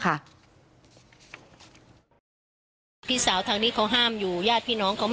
กลายเป็นวันที่๑๕ธนวาคมแต่คุณผู้ชมค่ะกลายเป็นวันที่๑๕ธนวาคม